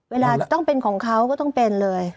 เวลาจะต้องเป็นของเขาก็ต้องเป็นเลย